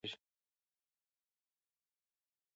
په ځینو هېوادونو کې درمل پرېښودل توصیه کېږي.